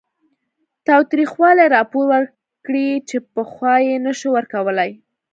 تاوتریخوالي راپور ورکړي چې پخوا یې نه شو ورکولی